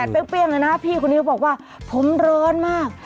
เปรี้ยงเลยนะพี่คนนี้บอกว่าผมร้อนมาก